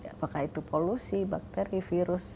apakah itu polusi bakteri virus